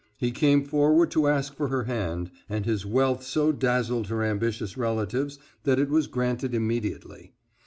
He came forward to ask for her hand, and his wealth so dazzled her ambitious relatives that it was granted immediately.